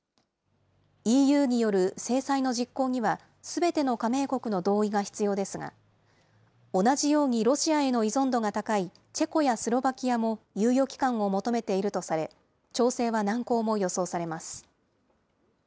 ＥＵによる制裁の実行には、すべての加盟国の同意が必要ですが、同じようにロシアへの依存度が高いチェコやスロバキアも猶予期間を求めているとされ、調整は難航も予想されます。